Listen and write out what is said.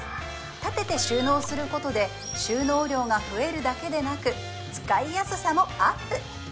立てて収納することで収納量が増えるだけでなく使いやすさもアップ